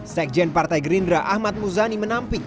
sekjen partai gerindra ahmad muzani menampik